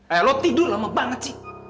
eh lo tidur lama banget sih